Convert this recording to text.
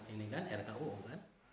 ini kan rku kan